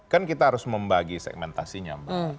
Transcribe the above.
kan kita harus membagi segmentasinya mbak